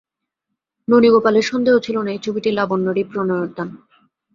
ননীগোপালের সন্দেহ ছিল না, এই ছবিটি লাবণ্যেরই প্রণয়ের দান।